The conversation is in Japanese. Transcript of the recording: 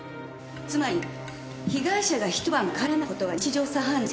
つまり被害者が一晩帰らない事は日常茶飯事。